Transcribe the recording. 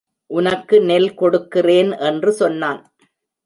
உனக்கு நெல் கொடுக்கிறேன் என்று சொன்னான்.